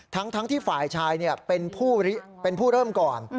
ทั้งที่ฝ่ายชายเป็นผู้เริ่มก่อน